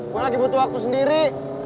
gue lagi butuh waktu sendiri